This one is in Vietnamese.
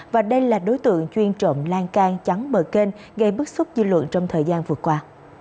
và đây là đối tượng chuyên trộm lan can chắn bờ kênh gây bức xúc dư luận trong thời gian vừa qua